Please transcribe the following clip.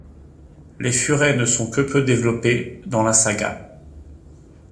Les Furets ne sont que peu développés dans la saga...